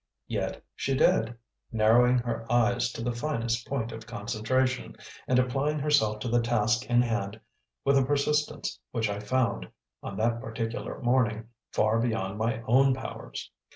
Yet she did, narrowing her eyes to the finest point of concentration, and applying herself to the task in hand with a persistence which I found, on that particular morning, far beyond my own powers.